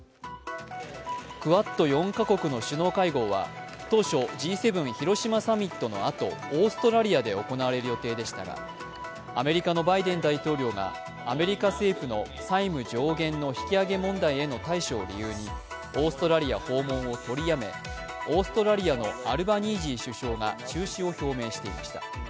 クアッド４カ国の首脳会合は当初Ｇ７広島サミットのあと、オーストラリアで行われる予定でしたがアメリカのバイデン大統領がアメリカ政府の債務上限の引き上げ問題への対処を理由にオーストラリア訪問を取りやめオーストラリアのアルバニージー首相が中止を表明していました。